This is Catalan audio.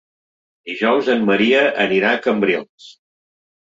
Dijous en Maria anirà a Cambrils.